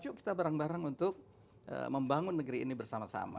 yuk kita bareng bareng untuk membangun negeri ini bersama sama